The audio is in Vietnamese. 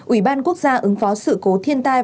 ủy ban quốc gia ứng phó sự cố thiên tai